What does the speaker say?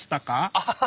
アハハ。